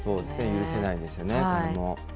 許せないですよね、これも。